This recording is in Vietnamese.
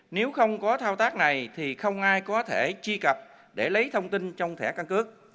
nếu không có thao tác này thì không ai có thể truy cập để lấy thông tin trong thẻ căn cước